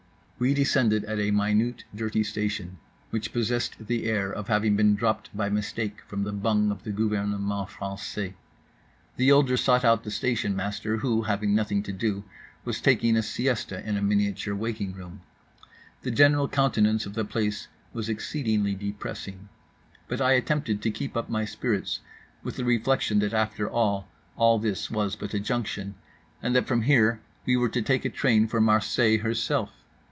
We descended at a minute, dirty station which possessed the air of having been dropped by mistake from the bung of the gouvernement français. The older sought out the station master, who having nothing to do was taking a siesta in a miniature waiting room. The general countenance of the place was exceedingly depressing; but I attempted to keep up my spirits with the reflection that after all all this was but a junction, and that from here we were to take a train for Marseilles herself.